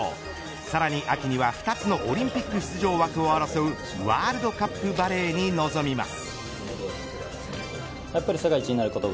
さらに秋には２つのオリンピック出場枠を争うワールドカップバレーに臨みます。